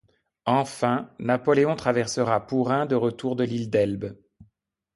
Enfin, Napoléon traversera Pourrain de retour de l'île d'Elbe.